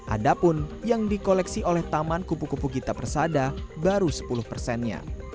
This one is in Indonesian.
ada pun yang di koleksi oleh taman kupu kupu gita persada baru sepuluh nya